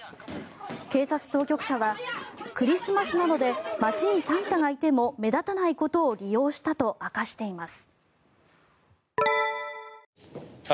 警察当局者はクリスマスなので街にサンタがいても目立たないことを利用したと明かしています。